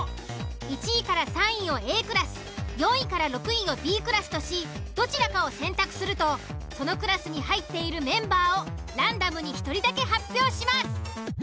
１位３位をＡクラス４位６位をＢクラスとしどちらかを選択するとそのクラスに入っているメンバーをランダムに１人だけ発表します。